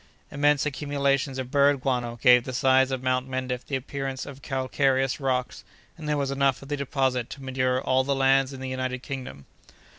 Immense accumulations of bird guano gave the sides of Mount Mendif the appearance of calcareous rocks, and there was enough of the deposit there to manure all the lands in the United Kingdom.